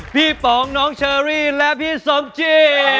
ป๋องน้องเชอรี่และพี่สมจี